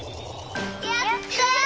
やった！